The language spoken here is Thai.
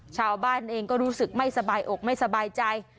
ชาวบ้านเองก็รู้สึกไม่สบายอกไม่สบายใจ